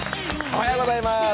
おはようございます。